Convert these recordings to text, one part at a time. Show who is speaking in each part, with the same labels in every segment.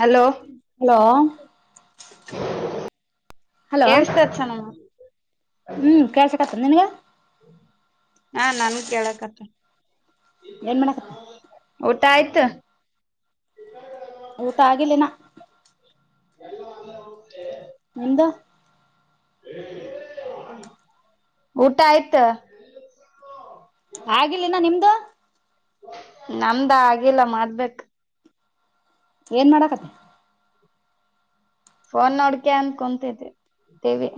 Speaker 1: Hello? [inaudible] [unintelligible]
Speaker 2: Hello? [unintelligible]
Speaker 1: ಕೆಳಸ್ತದ ಚನಂಗ. [unintelligible]
Speaker 2: ಹೂ ಕಳ್ಸಕ್ತರಿ ಏನ್ ಈಗ? [unintelligible]
Speaker 1: ಹಾ ನನ್ನ ಕೇಳಕ್ತತಿನ್. [unintelligible]
Speaker 2: ಏನ್ ಮಾಡಕತ್ತಿ. [unintelligible]
Speaker 1: ಊಟ ಆಯ್ತು? [unintelligible]
Speaker 2: ಊಟಾ ಆಗಿಲ್ಲಇನ್ನ. [unintelligible]
Speaker 1: ಎಲ್ಲೋ ಹಂಗ ಹೋಗತ್ತಿ. [unintelligible]
Speaker 2: ನಿಂದ. [unintelligible]
Speaker 1: ಊಟ ಆಯ್ತ? [unintelligible]
Speaker 2: ಆಗಿಲ್ಲ ಇನ್ನ ನಿಮ್ದು? [unintelligible]
Speaker 1: ನಮ್ದ ಆಗಿಲ್ಲ ಮಾಡಬೇಕ. [unintelligible]
Speaker 2: ಏನ್ ಮಾಡಕತ್ತಿ. [unintelligible]
Speaker 1: ಫೋನ್ ನೋಡೋಕೆಂತ ಕುಂತಿದ್ದೆ ಟಿವಿ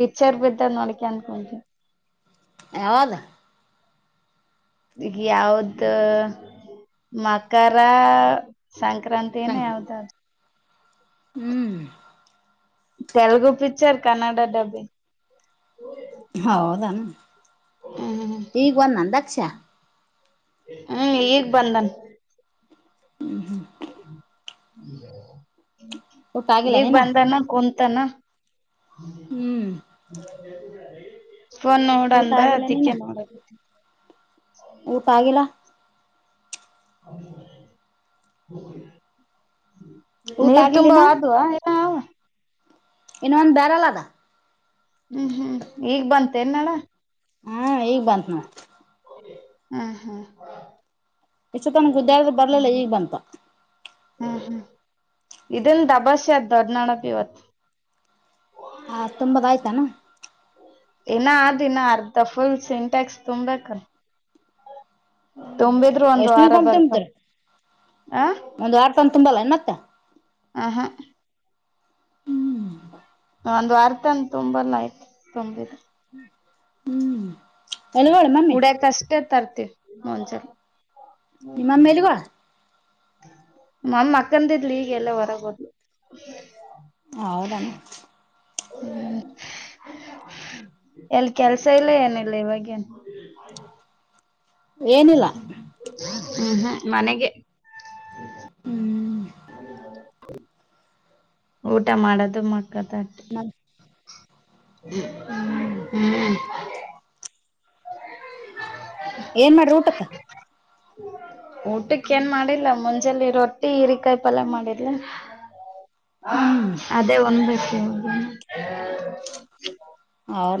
Speaker 1: ಪಿಕ್ಚರ್ ಬಿಟ್ಟರಾ ನೋಡ್ಂತ ಕುಂತಿನಿ. [unintelligible]
Speaker 2: ಯಾವುದ? [unintelligible]
Speaker 1: ಯಾವದ ಮಕರ ಸಂಕ್ರಾಂತಿ. [unintelligible] ತೇನ ಯಾವದ ಅದ. [unintelligible]
Speaker 2: ಹೂ. [unintelligible]
Speaker 1: ತೆಲುಗು ಪಿಕ್ಚರ್ ಕನ್ನಡ ಡಬ್ಬಿಂಗ. [unintelligible]
Speaker 2: ಹೌದ ಅನ್
Speaker 1: ಹ್ಮ್
Speaker 2: ಈಗ ಬಂದನನ ದಕ್ಷ. [unintelligible]
Speaker 1: ಹ ಈಗ್ ಬಂದನ್. [unintelligible]
Speaker 2: [unintelligible] ಊಟ ಆಗಿಲ್ಲ
Speaker 1: ಈಗ
Speaker 2: ನೀನ
Speaker 1: ಬಂದಾನ ಕುಂತಾನ. [unintelligible] [inaudible]
Speaker 2: ಹ್ಮ್
Speaker 1: [unintelligible] ಫೋನ್
Speaker 2: ಊಟ
Speaker 1: ನೋಡಂದ
Speaker 2: ಆಗಿಲ್ಲ ನೀನ
Speaker 1: ಅದಿಕ್ಕೆ ನೋಡದ. [unintelligible]
Speaker 2: ಊಟ ಆಗಿಲ್ಲ? [unintelligible] ಊಟ
Speaker 1: ನೀರ್ ತುಂಬುವ
Speaker 2: ಆಗಿಲ್ಲಿನ
Speaker 1: ಆದವಾ? [unintelligible]
Speaker 2: ಇನ್ನೊಂದ ಬ್ಯಾರಲ್ ಅದ. [unintelligible]
Speaker 1: ಹ್ಮ್ ಹ್ಮ್ ಈಗ್ ಬಂತೇನ್ ನಳ
Speaker 2: ಹ್ಮ ಈಗ ಬಂತು ನೋಡು.
Speaker 1: ಹ್ಮ್ ಹ್ಮ
Speaker 2: ಇಷ್ಟು ತನ ಗುದ್ಯಾಡ್ದೆ ಬರ್ಲಿಲ್ಲ ಈಗ್ ಬಂತ.
Speaker 1: ಹ್ಮಂ ಇದನ್ ದಬಾಷೆ ಅದ ದೊಡ್ನಾಡಕ್ ಇವತ್
Speaker 2: ಆ ತುಂಬದಾಯ್ತೆನು.
Speaker 1: ಇನ್ನ ಆರದಿನ ಅರ್ಧ ಫುಲ್ ಸಿಂಟ್ಯಾಕ್ಸ್ ತುಂಬೇಕು
Speaker 2: ಹ್ಮ್
Speaker 1: ತುಂಬಿದ್ರು ಒಂದೂ
Speaker 2: ಎಷ್ಟ
Speaker 1: ವಾರ
Speaker 2: ದಿನಕ್ಕೊಮ್ಮೆ
Speaker 1: ಬರ್ತಾವ ಆ
Speaker 2: ಒಂದು ವಾರತನ ತುಂಬಲ್ಲ ಏನ್ ಮತ್ತೆ
Speaker 1: ಹಾ ಹಾ
Speaker 2: ಹ್ಮ್
Speaker 1: ಒಂದು ವಾರತನ ತುಂಬಲ್ಲಿ ಆಯಿತು ತುಂಬಿದೆ.
Speaker 2: ಹ್ಮ್ ಎಲ್ಲಿಗೋಳಿ ಮಮ್ಮಿ
Speaker 1: ಕುಡಿಯಕ್ ಅಷ್ಟೇ ತರ್ತಿವಿ ಒಂದ್ಸಲ್
Speaker 2: ನಿಮ್ಮ ಅಮ್ಮ ಇಲ್ವಾ.
Speaker 1: ನಮ್ಮ ಅಮ್ಮ ಮಕ್ಕಂದಿದ್ಲೂ ಈಗ ಎಲ್ಲೊ ಹೊರಗ್ ಹೋದ್ಲು.
Speaker 2: ಹೌದಾನ [unintelligible]
Speaker 1: ಎಲ್ಲಿ ಕೆಲಸ ಇಲ್ಲ ಏನಿಲ್ಲ ಇವಾಗೇನು.
Speaker 2: ಏನಿಲ್ಲ
Speaker 1: ಹ್ಮ್ ಹ್ಮ್ ಮನೆಗೆ
Speaker 2: ಹ್ಮ್
Speaker 1: ಹ [unintelligible] ಊಟ ಮಾಡೋದು ಮಕ್ಕೋದ ಆತ್
Speaker 2: ಮತ್
Speaker 1: [unintelligible]
Speaker 2: ಹ್ಮ್
Speaker 1: ಹ್ಮ್ [unintelligible]
Speaker 2: ಏನ್ ಮಾಡ್ದ್ ಊಟಕ್ಕ
Speaker 1: ಹ್ಮ್ ಊಟಕ್ಕೆ ಏನ್ ಮಾಡಿಲ್ಲ ಮುಂಜಲಿ ರೊಟ್ಟಿ ಈರೇ ಕಾಯಿ ಪಲ್ಯ ಮಾಡಿರ್ಲ.
Speaker 2: ಹ್ಮ್
Speaker 1: ಅದೆ ಒಂದ್ [unintelligible]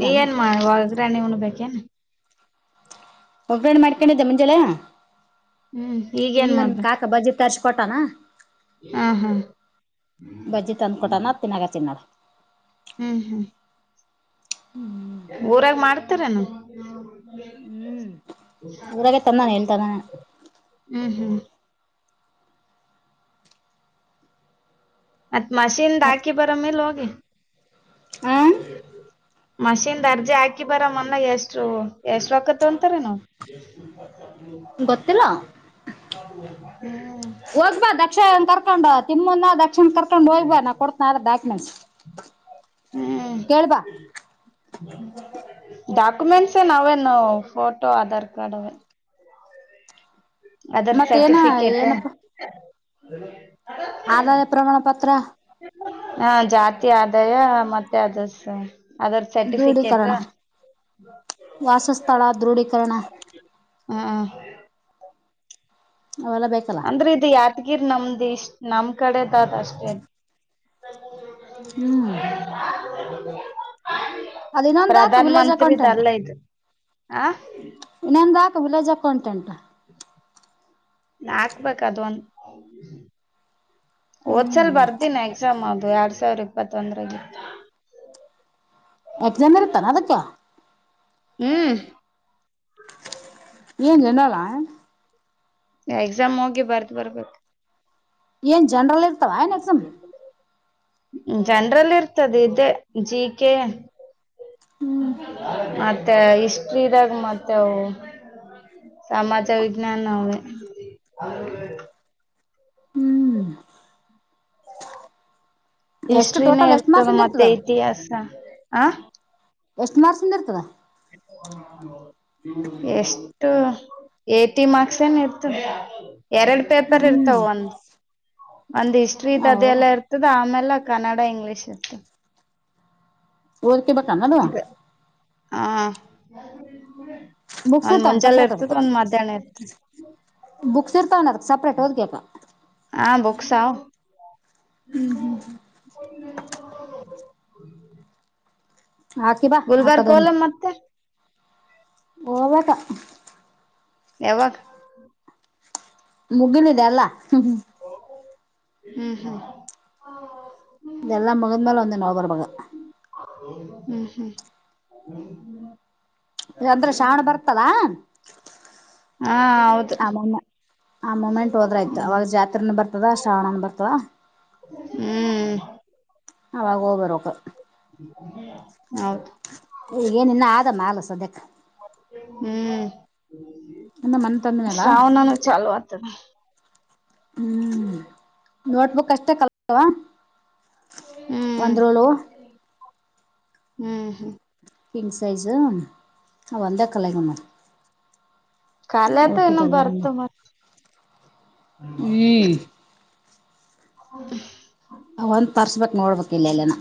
Speaker 1: ನೀನ್ ಏನ್ ಮಾಡಿ ಒಗ್ರನೆ ಉಣ್ ಬೇಕೇನ್.
Speaker 2: ಒಗ್ರಣೆ ಮಾಡ್ಕೊಂಡಿದ್ದೆ ಮುಂಜಳೆ.
Speaker 1: ಹ್ಮ್ ಈಗೇನ್
Speaker 2: ಈಗ ನಿಮ್
Speaker 1: ಮಾಡ್ಬೇಕ
Speaker 2: ಕಾಕ ಬಜ್ಜಿ ತರ್ಸ್ ಕೊಟ್ಟಾನ.
Speaker 1: ಹಾ ಹಾ
Speaker 2: ಬಜ್ಜಿ ತಂದ್ ಕೊಟಾನ ತಿನಾಗತ್ತಿನ್ ನೋಡ್
Speaker 1: ಹ್ಮ್ ಹ್ಮ್
Speaker 2: [unintelligible]
Speaker 1: ಊರಾಗ ಮಾಡ್ತಾರೆನು.
Speaker 2: ಹ್ಮ್ ಊರಾಗೆ ತಂದನ ಎಲ್ಲ್ ತಂದಾನ.
Speaker 1: ಹ್ಮ್ ಹ್ಮ್ ಮತ್ ಮಷೀನ್ದ ಹಾಕಿ ಬರೋ ಮೇಲೆ ಹೋಗಿ.
Speaker 2: ಹ್ಮ್
Speaker 1: ಮಷೀನ್ ಅರ್ಜಿ ಹಾಕಿ ಬರಾ ಮೊನ್ನೆ ಎಷ್ಟು. ಎಷ್ಟು ಆಕತ್ ಅಂತಾರೆನು. [inaudible]
Speaker 2: ಗೊತ್ತಿಲ್ಲ
Speaker 1: ಹ್ಮ್
Speaker 2: ಹೋಗ್ಬಾ ದಕ್ಷಯನ್ ಕರ್ಕೊಂಡ್ ತಿಮ್ಮನ ದಕ್ಷಯನ್ ಕರ್ಕೊಂಡು ಹೋಗ್ಬಾ ನಾ ಕೊಡತನ ಆಧಾರ್ ಡಾಕ್ಯುಮೆಂಟ್ಸ್ ಕೇಳ್ಬಾ
Speaker 1: ಡಾಕ್ಯುಮೆಂಟ್ಸೇನ ಅವೇನ್ ಫೋಟೋ ಆಧಾರ್ ಕಾರ್ಡ್ ಅವೇ ಅದರ್
Speaker 2: ಮತ್ತೇನ
Speaker 1: ಸರ್ಟಿಫಿಕೇಟ್
Speaker 2: ಏನಪ್ಪಾ ಆದಾಯ ಪ್ರಮಾಣ ಪತ್ರ
Speaker 1: ಹಾ ಜಾತಿ ಆದಾಯ ಮತ್ತೆ ಅಧಸ ಅದರ್ ಸರ್ಟಿಫಿಕೇಟ್
Speaker 2: ದೃಢೀಕರಣ ವಾಸಸ್ಥಳ ದೃಢೀಕರಣ
Speaker 1: ಹ್
Speaker 2: ಅವೆಲ್ಲ ಬೇಕ್
Speaker 1: ಅಂದ್ರ ಇದು ಯಾತಗಿರ್ ನಮ್ದ್ ಇಷ್ಟ್ ನಮ್ ಕಡೆದಾದ್ ಅಷ್ಟೇ
Speaker 2: ಹ್ಮ್
Speaker 1: [unintelligible]
Speaker 2: ಅದು ಇನ್ನೊಂದು ಹಾಕು
Speaker 1: ಪ್ರಧಾನ್
Speaker 2: ವಿಲೇಜ್
Speaker 1: ಮಂತ್ರಿದ್
Speaker 2: ಅಕೌಂಟೆಂಟ್
Speaker 1: ಅಲ್ಲ ಇದು ಹ್
Speaker 2: ಇನ್ನೂಂದ ಹಾಕ್ ವಿಲೇಜ್ ಅಕೌಂಟೆಂಟ್
Speaker 1: ಹಾಕ್ಬೇಕ ಅದು ಒಂದ್ ಓದ್ಸಲ್
Speaker 2: ಹ್ಮ್
Speaker 1: ಬರ್ದಿನಿ ಎಕ್ಸಾಮ್ ಅದು ಎರಡ್ ಸಾವಿರ ಇಪ್ಪತ್ತೊಂದ್ರಲ್ಲಿ
Speaker 2: ಎಕ್ಸಾಮ್ ಇರ್ತರನ್ ಅದಕ್ಕ್
Speaker 1: ಹ್ಮ್
Speaker 2: ಏನ್ ರಿನಲ್ಲಾ
Speaker 1: ಎಕ್ಸಾಮ್ ಹೋಗಿ ಬರ್ದ ಬರ್ಬೇಕ್
Speaker 2: ಏನ್ ಜನ್ರಲ್ ಇರ್ತಾವ ಏನ್ ಎಕ್ಸಮ್
Speaker 1: ಹ್ಮ್ ಜನ್ರಲ್ ಇರ್ತದ ಇದೇ ಜಿ ಕೆ
Speaker 2: ಹ್ಮ್
Speaker 1: ಮತ್ತೆ ಹಿಸ್ಟ್ರಿದಾಗ ಮತೇವ್ ಸಮಾಜ ವಿಜ್ಞಾನ ಅವೇ
Speaker 2: ಹ್ಮ್ ಎಷ್ಟು
Speaker 1: ಹಿಸ್ಟ್ರಿನೇ
Speaker 2: ಟೋಟಲ್ ಎಷ್ಟು
Speaker 1: ಇರ್ತದ
Speaker 2: ಮಾರ್ಕ್ಸಿಂದ
Speaker 1: ಮತ್ತೆ
Speaker 2: ಅದು
Speaker 1: ಇತಿಹಾಸ ಹ
Speaker 2: ಎಷ್ಟ ಮಾರ್ಸ್ಕಿಂದ ಇರ್ತದ್
Speaker 1: [inaudible] ಎಷ್ಟು ಎಟಿ ಮಾರ್ಕ್ಸ್ ಏನ್ ಇರ್ತದ ಎರಡ ಪೇಪರ್
Speaker 2: ಹ್ಮ್
Speaker 1: ಇರ್ತಾವ ಒಂದ್ ಒಂದ್ ಹಿಸ್ಟ್ರಿದ್ ಅದೆ
Speaker 2: ಹೌದಾ
Speaker 1: ಎಲ್ಲ ಇರ್ತದ ಆಮೇಲ ಕನ್ನಡ ಇಂಗ್ಲೀಷ್ ಇರ್ತದ
Speaker 2: ಒದ್ಕೆ ಬೇಕನ ಅದು
Speaker 1: ಹ್
Speaker 2: ಬುಕ್ಸ್
Speaker 1: ಒಂದ್
Speaker 2: ಇರ್ತಾವ
Speaker 1: ಮುಂಜಾಲೇ
Speaker 2: ಸಪ್ರೇಟ್
Speaker 1: ಇರ್ತದ
Speaker 2: ಅದಕ್ಕೆ
Speaker 1: ಒಂದ್ ಮಧ್ಯಾಹ್ನ ಇರ್ತದ
Speaker 2: ಬುಕ್ಸ್ ಇರ್ತಾವನ ಅದಕ್ ಸಪ್ರೇಟ್ ಓದ್ಕೇಕ್
Speaker 1: ಹಾ ಬುಕ್ಸ್ ಆವ್
Speaker 2: ಹ್ಮ್ ಹ್ಮ್ ಹ್ಮ್
Speaker 1: [inaudible]
Speaker 2: ಹಾಕಿ ಬಾ
Speaker 1: ಗುಲ್ಬರ್ಗ
Speaker 2: ಹಾಕದೊಂದ
Speaker 1: ಹೋಗಲ್ಲ ಮತ್ತೆ
Speaker 2: ಹೋಬೇಕ
Speaker 1: ಯವಗ
Speaker 2: ಮುಗಿಲಿದೇಲ್ಲ ಹ್ಮ್
Speaker 1: ಹ್ಮ್ ಹ್ಮ್
Speaker 2: ಇದೆಲ್ಲ ಮುಗದ ಮೇಲೆ ಒಂದ್ ದಿನ್ ಹೋಬರಬೇಕ್
Speaker 1: ಹ್ಮ್ ಹ್ಮ್ [inaudible]
Speaker 2: ಈಗ ಅಂದ್ರ ಶ್ರಾವಣ ಬರ್ತಲ್ಲ್
Speaker 1: ಹಾ ಹೌದ್
Speaker 2: ಆ ಮುಮೆ ಆ ಮೂಮೆಂಟ್ ಹೋದ್ರ ಆಯ್ತು, ಅವಾಗ ಜಾತ್ರೆನ ಬರ್ತದ ಶ್ರಾವಣನ ಬರ್ತದ.
Speaker 1: ಹ್ಮ್
Speaker 2: ಅವಾಗೋಗ್ಬರ್ಬೇಕು.
Speaker 1: ಹೌದು.
Speaker 2: ಏನ ಇನ್ನ ಆದ ಮಾಲ ಸದ್ಯಕ್ಕೆ.
Speaker 1: ಹ್ಮ್,
Speaker 2: ಇನ್ನು ಮನೆ ತಂದಿನಲ್ಲ
Speaker 1: ಶ್ರಾವಣನು ಚಾಲೋ ಆತದೆ.
Speaker 2: ಹ್ಮ್ ನೋಟ್ಬುಕ್ ಅಷ್ಟೇ ಕಲ್ತವಾ.
Speaker 1: ಹ್ಮ್
Speaker 2: ಬಂದರೋಲೋ.
Speaker 1: ಹ್ಮ್ ಹ್ಮ
Speaker 2: ಕಿಂಗ್ ಸೈಜು, ಒಂದೆ ಕಲೆಗ ಮಾಮ್.
Speaker 1: ಕಾಲತ ಇನ್ನು
Speaker 2: ಉಳ್ಕಿದ್ದೆಲ್ಲ ಹಂಗೆ
Speaker 1: ಬರ್ತದೆ, ಮ ಹೌದು.
Speaker 2: ಒಂದ್ ಪರ್ಸ್ ಬಕ್ ನೋಡ್ಬೇಕು ಇಲ್ಲೆಲ್ಲಾನ.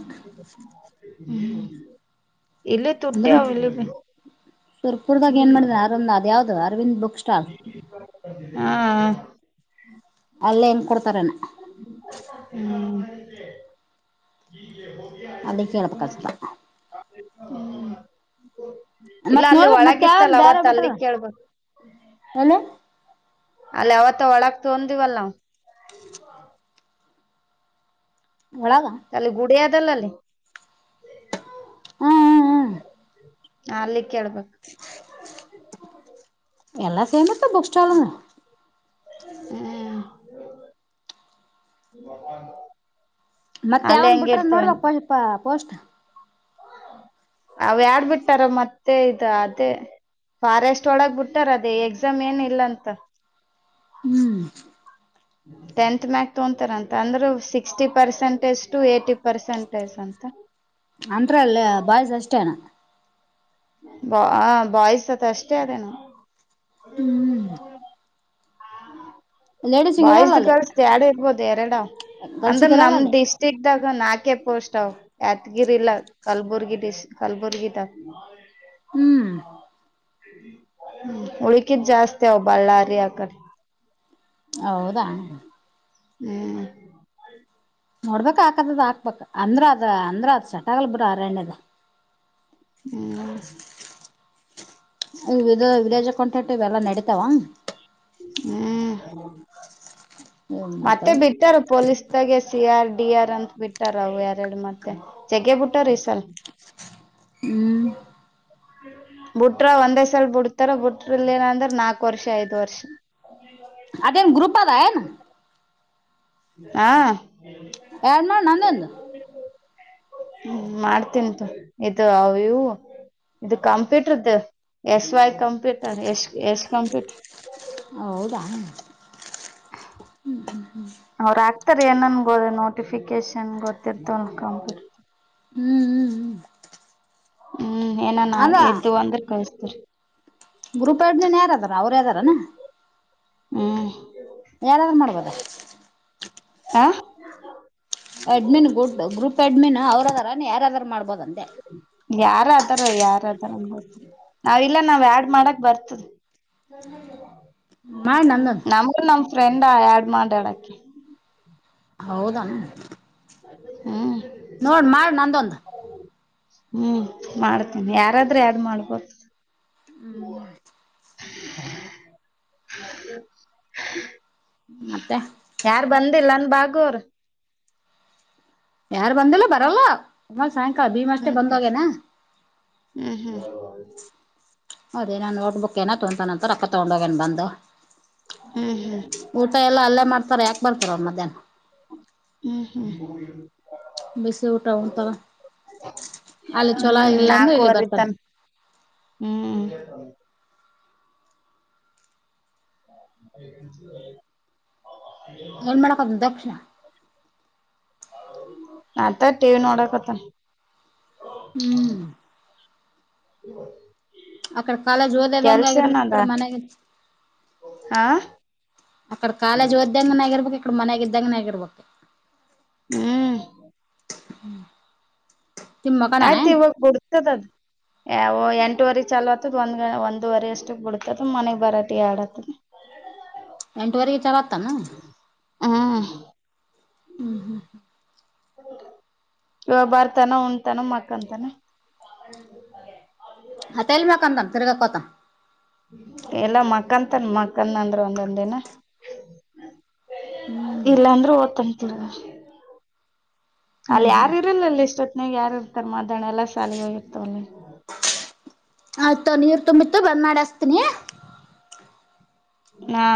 Speaker 1: ಹ್ಮ ಇಲ್ಲಿ ತುಟ್ಟೆ
Speaker 2: ಅಂದ್ರೆ
Speaker 1: ಅವ ಇಲ್ಲಿ
Speaker 2: ಸುರ್ಪುರ್ದಾಗ ಏನ್ ಮಾಡಿದೆ, ಅರಂದ್ ಅದ ಯಾವ್ದು ಅರವಿಂದ್ ಬುಕ್ ಸ್ಟಾಲ್
Speaker 1: ಹಾ
Speaker 2: ಅಲ್ಲೇ ಹೆಂಗ್ ಕೊಡ್ತಾರನ?
Speaker 1: ಹ್ಮ್ [unintelligible]
Speaker 2: ಅಲ್ಲಿ ಕೇಳ್ಬೇಕು ಅನ್ಸಲ್ಲ
Speaker 1: ಇಲ್ಲ
Speaker 2: ಮತ್
Speaker 1: ಅಲ್ಲಿ
Speaker 2: ನೋಡ್ಬಕ್ ಮತ್ ಯಾವನ್
Speaker 1: ಒಳಗಿತ್ತಲ್ಲ ಅವತ್ ಅಲ್ಲಿ ಕೇಳ್ಬೋಕು.
Speaker 2: ಏನ
Speaker 1: ಅಲ್ಲಿ ಅವತ್ತ ಒಳಗ್ ತೊಂದಿವಲ್ಲ ನಾವು.
Speaker 2: ಒಳಗ
Speaker 1: ಅಲ್ಲಿ ಗುಡಿಯದಲ್ಲ ಅಲ್ಲಿ.
Speaker 2: ಹ್ಮ್ ಹ್ಮ್ ಹ್ಮ್
Speaker 1: ಅಲ್ಲಿ ಕೇಳ್ಬೇಕು.
Speaker 2: [unintelligible] ಎಲ್ಲ ಸೇಮಿರ್ತ ಬುಕ್ ಸ್ಟಾಲನ್ನ.
Speaker 1: ಹಂ
Speaker 2: ಮತ್ತೆ ಯಾವನ್ ಬಿಟ್ರ ನೋಡಪ್ಪ ಪೋಸ್ಟ್?
Speaker 1: ಅವ್ಯಾರ್ಡ್ ಬಿಟ್ಟಾರ ಮತ್ತೆ ಅದೇ ಇದೆ. ಫಾರೆಸ್ಟ್ ಒಳಗ ಬಿಟ್ಟಾರ ಅದೇನ್ ಎಕ್ಸಾಮ್ ಏನ್ ಇಲ್ಲ ಅಂತಲ.
Speaker 2: ಹ್ಮ್
Speaker 1: ಟೆಂತ್ ಮ್ಯಾಕ್ ತೊಂತಾರ ಅಂತ ಅಂದ್ರೆ ಸಿಕ್ಸ್ಟಿ ಪರ್ಸೆಂಟೇಜ್ ಎಷ್ಟು ಏಟಿ ಪರ್ಸೆಂಟೇಜ್ ಅಂತೆ.
Speaker 2: ಅಂತ್ರ ಅಲ್ಲಿ ಬಾಯ್ಸ್ ಅಷ್ಟೇನ.
Speaker 1: ಬ ಬಾಯ್ಸ್ ಅತ್ತ ಅಷ್ಟೇ ಅದೇನು.
Speaker 2: ಹ್ಮ್ ಲೇಡೀಸ್ಗ
Speaker 1: ಬಾಯ್ಸ್
Speaker 2: ಇರಲ್ಲ
Speaker 1: ದು
Speaker 2: ಅಲ್ಲಿ
Speaker 1: ಗರ್ಲ್ಸ್ ದು ಎರಡು ಇರ್ಬೋದು, ಎರಡ ಅಂದ್ರೆ
Speaker 2: ಗರ್ಲ್ಸಿಗ್ ಇರಲ್ಲ ಅಲ್ಲಿ
Speaker 1: ನಮ್ದು ಟೀದ್ದಾಗ ನಾಕೆ ಪೋಸ್ವ್ ಅವ. ಯಾದ್ಗಿರಿಲ್ಲ ಕಲ್ಬುರ್ಗಿ ಡಿಸ್ ಕಲ್ಬುರ್ಗಿ ತಾಲು
Speaker 2: ಹ್ಮ್
Speaker 1: ಉಳುಕಿದ್ ಜಾಸ್ತಿ ಹವ ಬಳ್ಳಾರಿ ಆಕಡೆ.
Speaker 2: ಹೌದಾ
Speaker 1: ಹ್ಮ್
Speaker 2: ನೋಡ್ಬೇಕ ಆಕದಿದ್ರೆ ಹಾಕ್ಬಬೇಕ, ಅಂದ್ರ ಅದ ಅಂದ್ರ ಅದ ಸೆಟ್ ಅಗಲ್ ಬಿಡ್ ಅರಣ್ಯದ.
Speaker 1: ಹ್ಮ್
Speaker 2: ಇ ವಿಲೇಜ್ ಅಕೌಂಟೆಟ್ ಇವೆಲ್ಲಾ ನಡಿತಾವ?
Speaker 1: ಹ್ಮ್,
Speaker 2: ಏನ್
Speaker 1: ಮತ್ತೆ
Speaker 2: ಮಾಡ್ತಾವ
Speaker 1: ಬಿಟ್ಟಾರ ಪೊಲೀಸ್ ತ್ತಾಗ ಸಿ ಆರ್ ಡಿ ಆರ್ ಅಂತ ಬಿಟ್ಟಾರವ ಎರಡ ಮತ್ತೆ ಚಗ ಬಿಟ್ಟಾರ ಈ ಸಲ
Speaker 2: ಹ್ಮ
Speaker 1: ಬುಟ್ರ ಒಂದೇ ಸಲ್ ಬಿಡ್ತಾರ ಬುಟ್ರಲ್ಲಿ ಏನಂದ್ರ ನಾಕ್ ವರ್ಷ ಐದ್ ವರ್ಷ
Speaker 2: ಅದೇನ ಗ್ರುಪದ ಏನ
Speaker 1: ಹಾ
Speaker 2: ಆನ್ ಮಾಡ ನಂದೊಂದ
Speaker 1: ಹ್ಮ ಮಾಡ್ತನ ಇದು ಅವ ಇವ ಇದು ಕಂಪ್ಯೂಟರ್ದ S Y computer S S computer
Speaker 2: ಹೌದಾ ಹ್ಮ ಹ್ಮ
Speaker 1: ಅವ್ರ ಆಗ್ತಾರ ಏನ್ ಗೋದ ನೋಟಿಫಿಕೇಶನ್ ಗೊತ್ತಿರ್ತವ ಕಂಪ್
Speaker 2: ಹ್ಮ ಹ್ಮ ಹ್ಮ
Speaker 1: ಹ್ಮ ಏನ್ ನ ಎದ್ದು ಅಂದ್ರ ಕಳ್ಸ್ತರ
Speaker 2: ಗ್ರೂಪ್ ಅಡ್ಮಿನ್ ಯಾರದಾರ ಅವ್ರ ಅದ್ದರೇನ
Speaker 1: ಹ್ಮ್
Speaker 2: ಯಾರ ಮಾಡ್ಬೋದಾ
Speaker 1: ಆ
Speaker 2: ಅಡ್ಮಿನ್ ಗುಡ್ ಗ್ರೂಪ್ ಅಡ್ಮಿನ್ ಅವ್ರದಾರ ಯಾರದಾರ ಮಾಡಬೋದ ಅಂದೆ
Speaker 1: ಯಾರ ಅದಾರ ಯಾರದಾರ ಅ ನಾವ ಇಲ್ಲ ನಾವ್ ಆಡ್ ಮಾಡಕ್ ಬರ್ತದ.
Speaker 2: ಮಾಡಿ ನಂದೊಂದು
Speaker 1: ನಮಗ ನಮ್ ಫ್ರೆಂಡ್ ಆಡ್ ಮಾಡ್ಯಾಡಕ್ಕ
Speaker 2: ಹೌದಣ
Speaker 1: ಹ್ಮ
Speaker 2: ನೋಡ್ ಮಾಡ ನಂದೊಂದ
Speaker 1: ಹ್ಮ ಮಾಡ್ತನ ಯಾರಾದ್ರೂ ಆಡ್ ಮಾಡ್ಬೋದ.
Speaker 2: ಹ್ಮ
Speaker 1: [inaudible]
Speaker 2: ಮತ್ತೆ
Speaker 1: ಯಾರ್ ಬಂದಿಲ್ಲ ಅನ್ ಬಾಗು ಅರ
Speaker 2: ಯಾರ ಬಂದಿಲ್ಲ ಬರಲ್ಲ ಸುಮ ಸಾಯಂಕಾಲ ಭೀಮ ಅಷ್ಟೆ ಬಂದಗೇನಾ
Speaker 1: ಹ್ಮ ಹ್ಮ
Speaker 2: ಅದೇ ನೋಟ್ ಬುಕ್ ಏನ ತೊಂತಾನ ಅಂತ ರೊಕ್ಕ ತಗೊಂಡೋಗಣ ಬಂದು.
Speaker 1: ಹ್ಮ್ ಹ್ಮ್ ಹ್ಮ್
Speaker 2: ಊಟ ಎಲ್ಲ ಅಲ್ಲೇ ಮಾಡ್ತಾರ ಯಾಕ ಬರ್ತಾರ ಮಧ್ಯಾಹ್ನ.
Speaker 1: ಹ್ಮ ಹ್ಮ
Speaker 2: ಬಿಸಿ ಊಟ ಉಂತಾವ ಅಲ್ಲಿ ಚಲೋ ಆಗಿಲ್ಲ ಅಂದ್ರೆ ಇಲ್ಲಿ ಬರ್ತಾರ.
Speaker 1: ಹ್ಮ [inaudible]
Speaker 2: ಏನ್ ಮಾಡಕದ ದಕ್ಷ
Speaker 1: ನತ್ತ ಟಿ ವಿ ನೋಡಕತ್ತ
Speaker 2: ಹ್ಮ
Speaker 1: [inaudible]
Speaker 2: ಅಕಡೆ ಕಾಲೇಜ್ ಓದದಂಗೆ
Speaker 1: ಕೆಲ್ಸ
Speaker 2: ಆಗಿರ್ಬೇಕ
Speaker 1: ಏನದ
Speaker 2: ಈಕಡೆ ಮನೆಗೆ
Speaker 1: ಹಾ
Speaker 2: ಅಕಡ ಕಾಲೇಜ್ ಓದ್ದಂಗನ ಆಗಿರ್ಬೇಕ ಇಕಡ ಮನೆಗ ಇದ್ದಂಗನ ಆಗಿರ್ಬೇಕ.
Speaker 1: ಹ್ಮ
Speaker 2: ಹ್ಮ
Speaker 1: ಯಾತ ಇವಾಗ ಬಿಡ್ತದ ಅದ ಯ ವ ಎಂಟುವರಿ ಚಲೋತ್ತದ ಒಂದ ಒಂದುವರೆ ಅಷ್ಟು ಬಿಡತದ ಮನೆಗ ಬರಟ ಯಾಡತದ.
Speaker 2: ಎಂಟವರೆಗೆ ಚಲತ್ತಮೋ
Speaker 1: ಹ್ಮ್
Speaker 2: ಹ್ಮ್
Speaker 1: ಇವಾಗ ಬರ್ತಾನ ಉಣ್ತಾನ ಮಕ್ಕಂತಾನ. [unintelligible]
Speaker 2: ಅದೆಲ್ಲ ಮಕ್ಕತನ ತಿರ್ಗಾಕ್ಕೋತಾ.
Speaker 1: ಎಲ್ಲಾ ಮಕ್ಕಂತನ್ ಮಕ್ಕನ್ ಅಂದ್ರೆ ಒಂದೊಂದು ದಿನ.
Speaker 2: ಹ್ಮ್
Speaker 1: ಇಲ್ಲಾಂದ್ರೆ ಓದ್ತಂತಿಲ್ವ. ಅಲ್ಲಿ
Speaker 2: ಹ್ಮ್ ಹ್ಮ್
Speaker 1: ಯಾರು ಇರಲ್ಲ ಅಲ್ಲಿ ಇಷ್ಟೊತ್ತನಿಗೆ ಯಾರು ಇರ್ತಾರೆ ಮಾತಣ ಎಲ್ಲಾ ಸಾಲಿಗೆ ಹೋಗಿರ್ತವ ಅಲ್ಲಿ.
Speaker 2: ಆಯ್ತು ನೀರು ತುಂಬಿತ್ತು ಬಂದ್ ಮಾಡಸ್ತೀನಿ.
Speaker 1: ಹಾ